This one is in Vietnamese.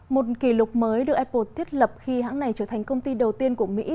một kỷ lục mới được apple thiết lập khi hãng này trở thành công ty đầu tiên của mỹ